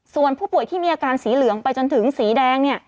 ส่วนผู้ป่วยที่มีอาการสีเหลืองไปจนถึงสีแดง